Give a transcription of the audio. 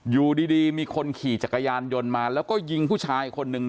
อยู่ดีมีคนขี่จักรยานยนต์มาแล้วก็ยิงผู้ชายคนหนึ่ง